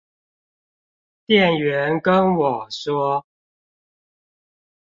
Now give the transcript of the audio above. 店員跟我說